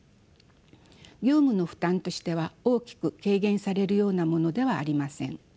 業務の負担としては大きく軽減されるようなものではありません。